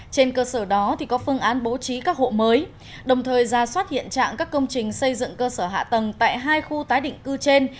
trên cơ sở đó có phương án bố trí các hộ mới đồng thời ra soát hiện trạng các công trình xây dựng cơ sở hạ tầng tại hai khu tái định cư trên